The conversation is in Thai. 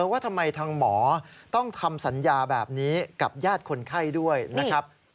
ว่าทำไมทางหมอต้องทำสัญญาแบบนี้กับญาติคนไข้ด้วยนะครับ